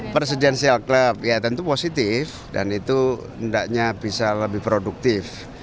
presidensial club ya tentu positif dan itu hendaknya bisa lebih produktif